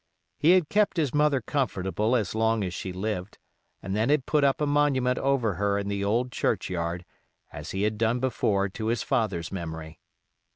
He had kept his mother comfortable as long as she lived, and then had put up a monument over her in the old churchyard, as he had done before to his father's memory.